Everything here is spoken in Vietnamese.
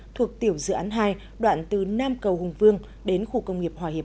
thuộc tiểu dự án hai đoạn từ nam cầu hùng vương đến khu công nghiệp hòa hiệp